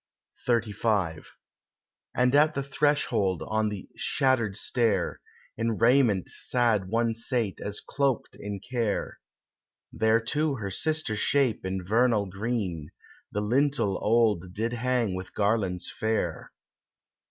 XXXV And at the threshold, on the shattered stair, In raiment sad one sate as cloaked in care; There, too, her sister shape in vernal green, The lintel old did hang with garlands fair.